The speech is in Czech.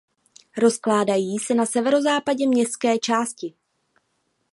Rozkládají se na severozápadě městské části.